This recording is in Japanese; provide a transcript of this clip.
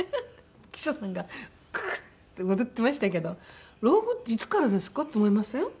記者さんが「クッ」って笑ってましたけど老後っていつからですか？って思いません？